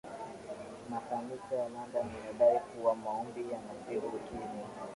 makanisa ya london yanadai kuwa maombi yanatibu ukimwi